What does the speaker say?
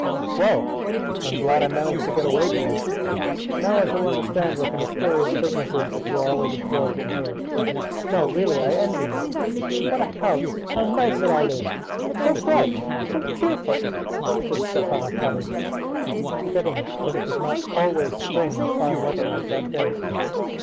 "Well, I am glad I managed to get away to you! Now I shall understand what the mysterious business is that you are always absorbed in here. No, really, I envy you. What a house, how nice it all is! So bright, so cheerful!" said Stepan Arkadyevitch, forgetting that it was not always spring and fine weather like that day.